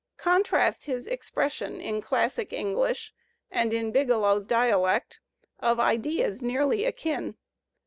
Contrast his expression in classic English and in Biglow's dialect of ideas nearly akin.